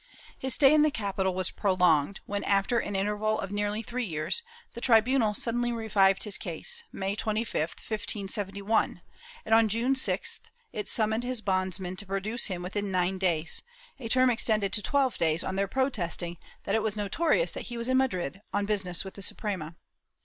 His stay in the capital was prolonged when, after an inter val of nearly three years, the tribunal suddenly revived his case. May 25, 1571 and, on June 6th, it summoned his bondsmen to produce him within nine days, a term extended to twelve days on their protesting that it was notorious that he was in Madrid, on business with the Suprema.